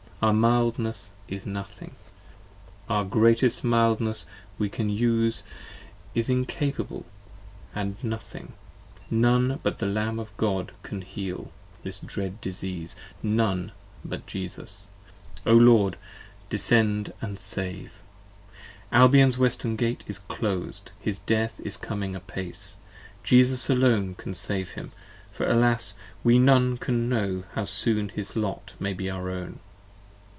Our mildness is nothing: the greatest mildness we can use 15 Is incapable and nothing: none but the Lamb of God can heal This dread disease: none but Jesus: O Lord, descend and save. Albion's Western Gate is clos'd: his death is coming apace: Jesus alone can save him: for alas, we none can know ^How soon his lot may be our own.